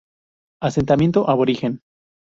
Asentamiento aborigen.